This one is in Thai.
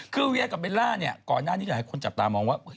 คือเวียกับเบลล่าเนี่ยก่อนหน้านี้หลายคนจับตามองว่า